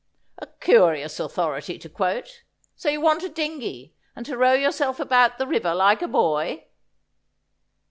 ' A curious authority to quote. So you want a dingey, and to row yourself about the river like a boy.'